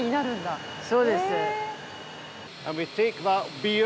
そうです。